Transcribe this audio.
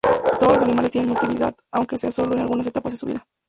Todos los animales tienen motilidad, aunque sea solo en algunas etapas de su vida.